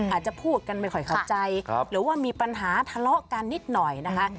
อาจจะพูดกันไม่ค่อยเข้าใจหรือว่ามีปัญหาทะเลาะกันนิดหน่อยนะคะ